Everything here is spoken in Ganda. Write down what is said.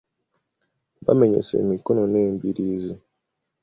Baamenyese emikono n'embiriizi.